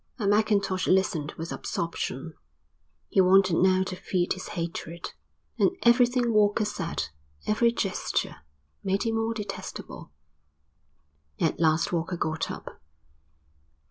And Mackintosh listened with absorption. He wanted now to feed his hatred; and everything Walker said, every gesture, made him more detestable. At last Walker got up.